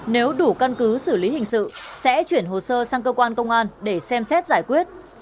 nếu đủ căn cứ xử lý hình sự sẽ chuyển hồ sơ sang cơ quan công an để xem xét giải quyết